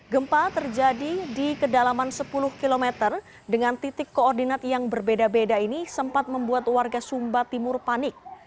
gempa terjadi di kedalaman sepuluh km dengan titik koordinat yang berbeda beda ini sempat membuat warga sumba timur panik